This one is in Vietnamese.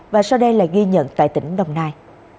và sau đây là ghi nhận tại tỉnh đồng nai